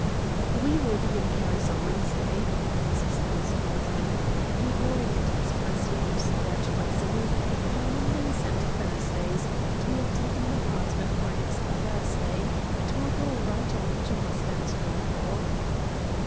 "We will be in Paris on Wednesday," Mrs. Downs told him. "The Orient Express leaves there twice a week, on Mondays and Thursdays, and we have taken an apartment for next Thursday, and will go right on to Constantinople."